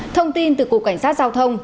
thông tin từ cục cảnh sát giao thông